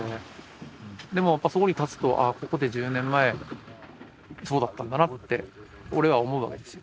でもあそこに立つとああここで１０年前そうだったんだなって俺は思うわけですよ。